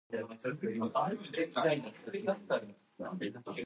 From King's College he moved to Trinity Hall, Cambridge.